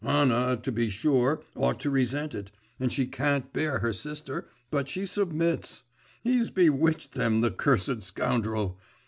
Anna, to be sure, ought to resent it, and she can't bear her sister, but she submits! He's bewitched them, the cursed scoundrel!